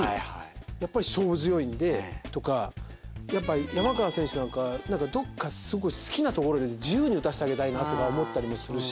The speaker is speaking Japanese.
やっぱり勝負強いのでとかやっぱ山川選手なんかはどっか好きなところで自由に打たせてあげたいなとか思ったりもするし。